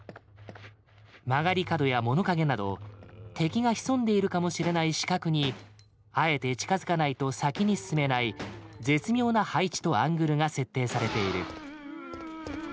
曲がり角や物陰など敵が潜んでいるかもしれない死角にあえて近づかないと先に進めない絶妙な配置とアングルが設定されている。